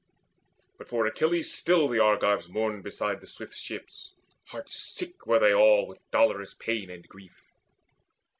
But for Achilles still the Argives mourned Beside the swift ships: heart sick were they all With dolorous pain and grief.